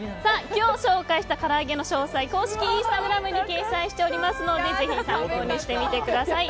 今日紹介した唐揚げの詳細は公式インスタグラムに掲載しておりますのでぜひ参考にしてみてください。